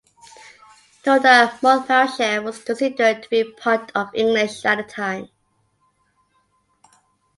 Note that Monmouthshire was considered to be part of England at the time.